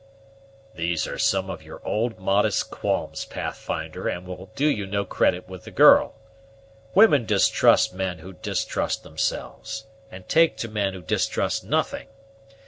"These are some of your old modest qualms, Pathfinder, and will do you no credit with the girl. Women distrust men who distrust themselves, and take to men who distrust nothing.